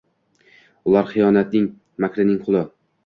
Ular xiyonatning, makrning quli